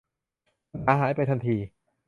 ปัญหาหายไปทันที